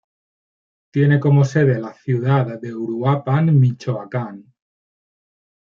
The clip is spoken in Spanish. Tiene como sede la ciudad de Uruapan, Michoacán.